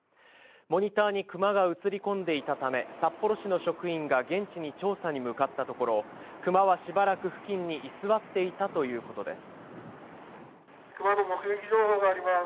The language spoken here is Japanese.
モニターにクマが写り込んでいたため、札幌市の職員が現地に調査に向かったところ、クマはしばらく付近に居座っていたということです。